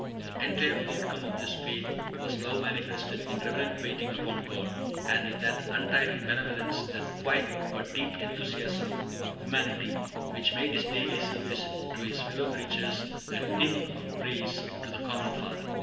The entire outcome of this faith was love manifested in reverent waiting upon God, and in that untiring benevolence, that quiet but deep enthusiasm of humanity, which made his daily service to his fellow creatures a hymn of praise to the common Father.